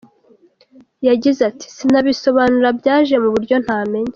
Yagize ati “Sinabisobanura, byaje mu buryo ntamenya.